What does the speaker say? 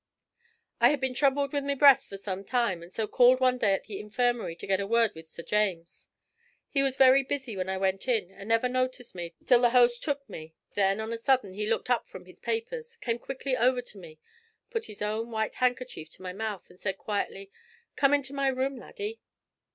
I had been troubled with my breast for some time, and so called one day at the infirmary to get a word with Sir James. He was very busy when I went in, and never noticed me till the hoast took me. Then on a sudden he looked up from his papers, came quickly over to me, put his own white handkerchief to my mouth, and quietly said, "Come into my room, laddie!"